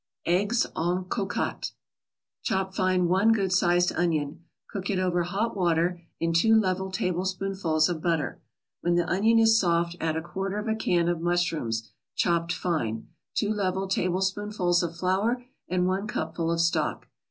EGGS EN COCOTTE Chop fine one good sized onion. Cook it, over hot water, in two level tablespoonfuls of butter. When the onion is soft add a quarter of a can of mushrooms, chopped fine, two level tablespoonfuls of flour and one cupful of stock.